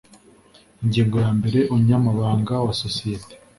ingingo ya mbere umunyamabanga wa sosiyete